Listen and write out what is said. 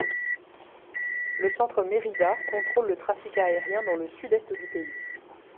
Le centre Mérida contrôle le trafic aérien dans le sud-est du pays.